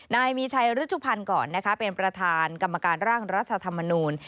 นายมีชัยฤชุพันธ์ก่อนนะคะเป็นประธานกรรมการร่างรัฐธรรมนูล